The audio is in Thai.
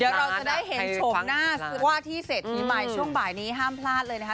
เดี๋ยวเราจะได้เห็นชมหน้าว่าที่เศรษฐีใหม่ช่วงบ่ายนี้ห้ามพลาดเลยนะคะ